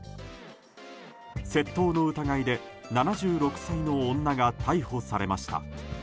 窃盗の疑いで７６歳の女が逮捕されました。